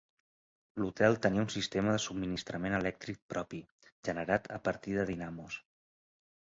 L'hotel tenia un sistema de subministrament elèctric propi, generat a partir de dinamos.